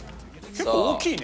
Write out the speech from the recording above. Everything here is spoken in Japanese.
結構大きいね。